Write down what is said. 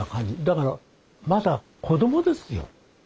だからまだ子どもですよ。